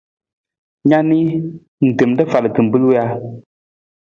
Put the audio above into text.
Na ni, ng tem rafal kimbilung ja?